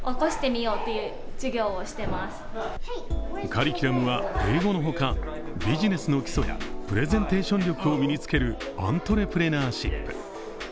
カリキュラムは英語のほかビジネスの基礎やプレゼンテーション力を身につけるアントレプレナーシップ。